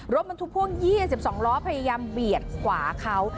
รถบรรทุกพ่วง๒๒ล้อพยายามเบียดขวาเขา